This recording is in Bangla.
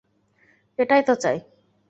এটাই তো চাই।